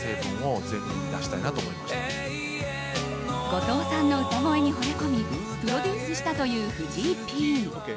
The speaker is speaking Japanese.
後藤さんの歌声にほれ込みプロデュースしたという藤井Ｐ。